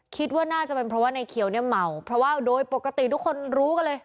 คิดว่าน่าจะเป็นเพราะว่าในเขียวเนี่ยเมาเพราะว่าโดยปกติทุกคนรู้กันเลย